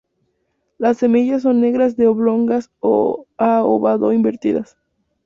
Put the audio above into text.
Las semillas son negras de oblongas a ovado-invertidas.